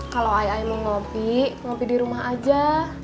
kalau ayah mau ngopi ngopi di rumah aja